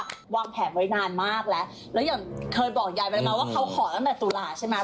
คุณผู้ชมฮาววงแผ่นไว้นานมากแล้วและอย่างเคยบอกยายว่าก่อนมาเขาขอตั้งแต่ตุลาภใช่ไหม